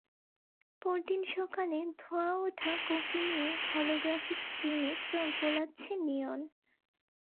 পরদিন সকালে ধোঁয়া ওঠা কফি নিয়ে হলোগ্রাফিক স্ক্রিনে চোখ বোলাচ্ছে নিওন।